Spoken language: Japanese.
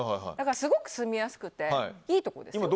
すごく住みやすくていいところですよ。